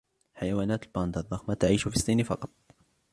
حيوانات الباندا الضخمة تعيش في الصين فقط.